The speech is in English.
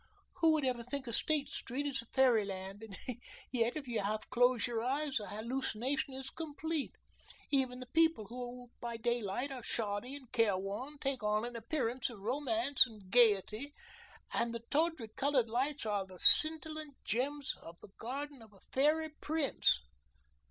Who would ever think of State Street as a fairy land? And yet, if you half close your eyes the hallucination is complete. Even the people who by daylight are shoddy and care worn take on an appearance of romance and gaiety, and the tawdry colored lights are the scintillant gems of the garden of a fairy prince."